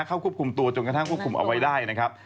เข้าควบคุมตัวจนกระทั่งควบคุมเอาไว้ได้นะครับ